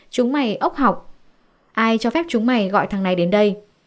chúng mày ốc học ai cho phép chúng mày gọi thằng này đến đây